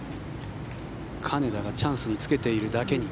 金田がチャンスにつけているだけに。